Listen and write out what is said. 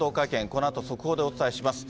このあと、速報でお伝えします。